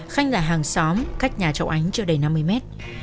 khanh là hàng xóm cách nhà cháu ánh chưa đầy năm mươi mét